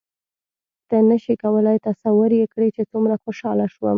ته نه شې کولای تصور یې کړې چې څومره خوشحاله شوم.